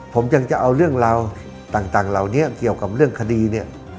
ผมยังจะเอาเรื่องราวต่างราวนี้เกี่ยวกับเรื่องคดี